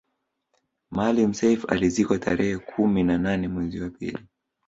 Maalim Self alizikwa tarehe kumi na nane mwezi wa pili